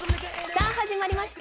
さあ始まりました